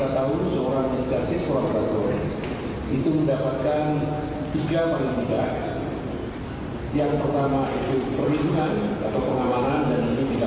layanan perlindungan tersebut bahkan sampai nanti ketika